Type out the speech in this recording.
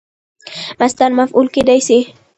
مصدر مفعول کېدای سي.